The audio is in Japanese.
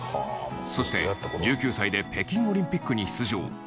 そして、１９歳で北京オリンピックに出場。